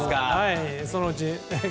そのうちね。